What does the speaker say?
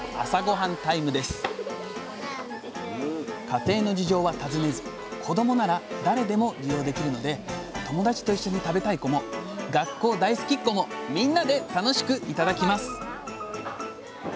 家庭の事情は尋ねず子どもなら誰でも利用できるので友達と一緒に食べたい子も学校大好きっ子もみんなで楽しく頂きます